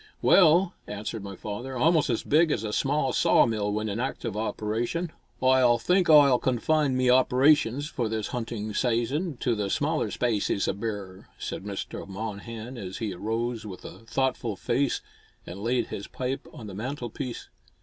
"Well," answered my father, "almost as big as a small sawmill when in active operation." "Oi think Oi'll confine me operations, for this hunting sayson, to the smaller spacies o' bear," said Mr. Monnehan, as he arose with a thoughtful face and laid his pipe on the mantel piece.